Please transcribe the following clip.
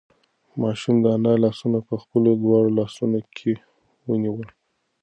ماشوم د انا لاسونه په خپلو دواړو لاسو کې ونیول.